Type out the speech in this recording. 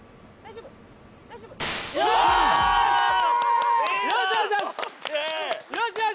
よし！